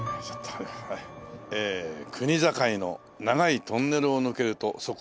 「国境の長いトンネルを抜けるとそこは雪国であった」。